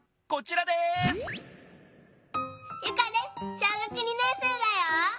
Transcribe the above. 小学２年生だよ。